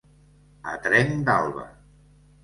A trenc d'alba.